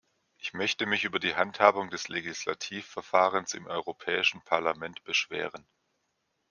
Ich möchte mich über die Handhabung des Legislativverfahrens im Europäischen Parlament beschweren.